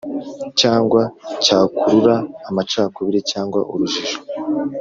cyangwa cyakurura amacakubiri cyangwa urujijo